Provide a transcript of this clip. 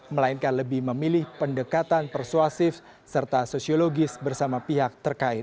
melainkan lebih memilih pendekatan persuasif serta sosiologis bersama pihak terkait